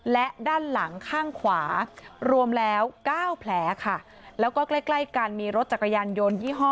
และด้านหลังข้างขวารวมแล้วเก้าแผลค่ะแล้วก็ใกล้ใกล้กันมีรถจักรยานยนต์ยี่ห้อ